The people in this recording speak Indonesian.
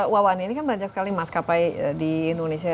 wawan ini kan banyak sekali maskapai di indonesia